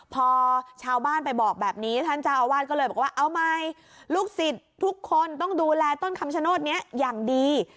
พอชาวบ้านไปบอกแบบนี้ท่านเจ้าอาวาสก็เลยบอกว่าเอาใหม่ลูกศิษย์ทุกคนต้องดูแลต้นคำชโนธนี้อย่างดี